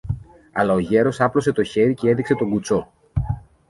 Αλλά ο γέρος άπλωσε το χέρι κι έδειξε τον κουτσό.